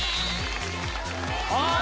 あ！